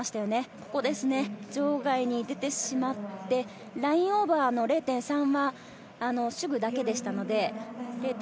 ここですね、場外に出てしまってラインオーバーの０．３は手具だけだったので減点